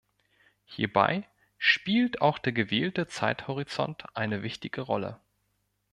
Hierbei spielt auch der gewählte Zeithorizont eine wichtige Rolle.